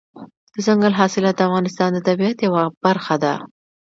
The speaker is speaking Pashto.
دځنګل حاصلات د افغانستان د طبیعت یوه برخه ده.